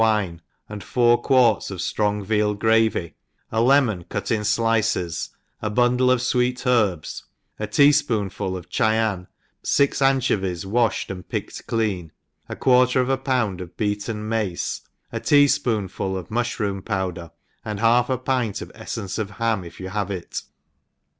i6 THE EXPERIENCED witie, and four quarts of ftrong veal gravy, a lemon cut in flices, a bundle of fweet nerbs* a tea fpodnfulof Chyan, fix anchovies waflied and picked clean, 4 quarter of a pound of beaten mace, a tea fpoonful pf mufhroom powder, and half a pint of eflence of ham if you have it.